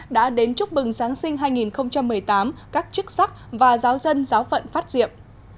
đã đến chúc mừng giáng sinh hai nghìn một mươi tám các chức sắc và giáo dân giáo phận phát diệm